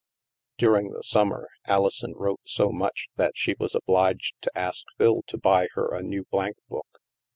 During the summer, Alison wrote so much that she was obliged to ask Phil to buy her a new blank book.